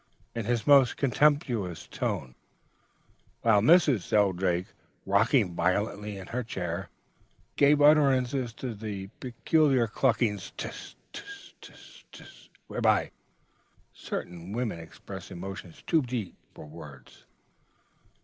in his most contemptuous tone; while Mrs. Shelldrake, rocking violently in her chair, gave utterance to the peculiar clucking 'ts, ts, ts, ts,' whereby certain women express emotions too deep for words.